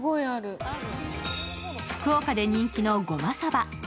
福岡で人気のごまさば。